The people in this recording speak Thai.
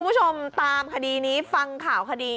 คุณผู้ชมตามคดีนี้ฟังข่าวคดี